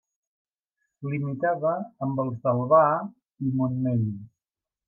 Limitava amb els d'Albà i Montmell.